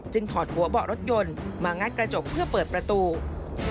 ถอดหัวเบาะรถยนต์มางัดกระจกเพื่อเปิดประตู